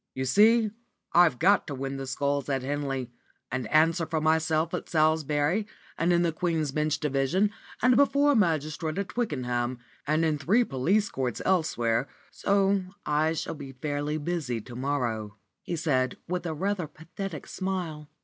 "You see, I've got to win the Sculls at Henley, and answer for myself at Salisbury and in the Queen's Bench Division, and before a magistrate at Twickenham, and in three police courts elsewhere, so I shall be fairly busy to morrow," he said, with a rather pathetic smile.